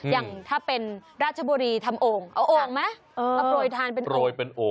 อย่างถ้าเป็นราชบุรีทำโอ่งเอาโอ่งไหมมาโปรยทานเป็นโรยเป็นโอ่ง